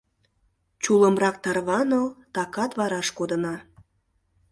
Чулымрак тарваныл, такат вараш кодына.